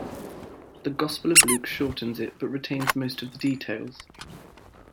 The Gospel of Luke shortens it but retains most of the details.